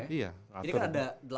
iya sudah ada ridersnya